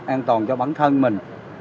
an toàn cho bản thân mình